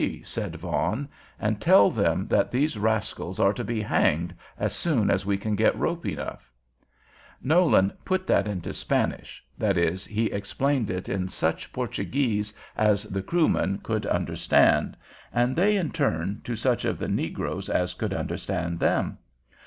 "Tell them they are free," said Vaughan; "and tell them that these rascals are to be hanged as soon as we can get rope enough." Nolan "put that into Spanish," that is, he explained it in such Portuguese as the Kroomen could understand, and they in turn to such of the negroes as could understand them.